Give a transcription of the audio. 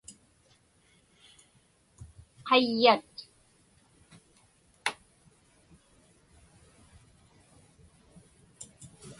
qayyat